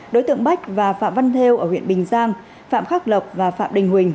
đối tượng bách và phạm văn theo ở huyện bình giang phạm khắc lộc và phạm đình huỳnh